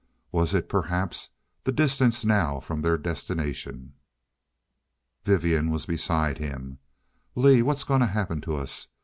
Was it, perhaps, the distance now from their destination? Vivian was beside him. "Lee, what's gonna happen to us?